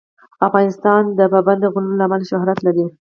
افغانستان د پابندی غرونه له امله شهرت لري.